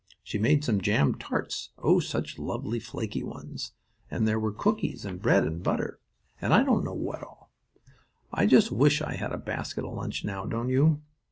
She made some jam tarts oh, such lovely, flaky ones! and there were cookies and bread and butter and I don't know what all. I just wish I had that basket of lunch now, don't you?